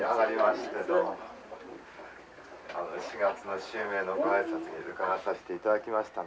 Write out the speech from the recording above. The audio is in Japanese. ４月の襲名のご挨拶に伺わさせて頂きました。